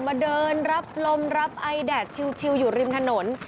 มาเดินรับลมรับไอแดดชิวอยู่ริมถนน